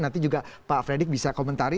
nanti juga pak fredrik bisa komentari